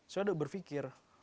saya sudah berpikir